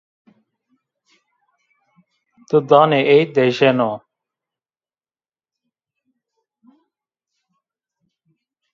Didanê ey dejeno